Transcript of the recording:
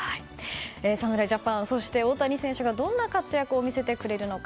侍ジャパン、そして大谷選手がどんな活躍を見せてくれるのか。